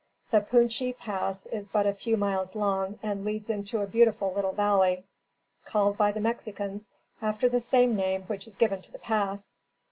The Punchi Pass is but a few miles long and leads into a beautiful little valley, called by the Mexicans after the same name which is given to the pass.